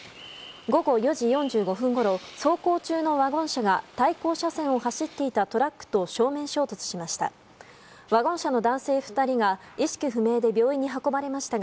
午後４時４５分ごろ走行中のワゴン車が対向車線を走っていたトラックと正面衝突しました。